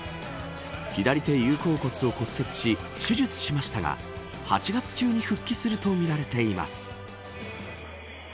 左手有鉤骨を骨折し手術しましたが８月中に復帰するとみられています。